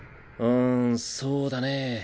うんそうだね